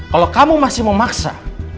kalau kamu masih memaksa